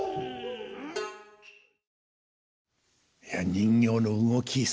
いや人形の動き。